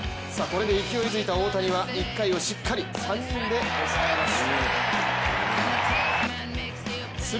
これで勢いづいた大谷は１回をしっかり３人で抑えます。